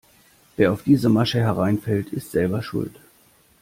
Wer auf diese Masche hereinfällt, ist selber schuld.